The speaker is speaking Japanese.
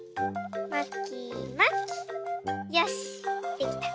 よしできた！